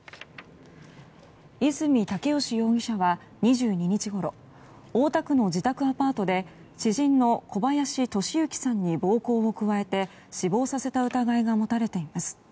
泉竹良容疑者は２２日ごろ大田区の自宅アパートで知人の小林利行さんに暴行を加えて死亡させた疑いが持たれています。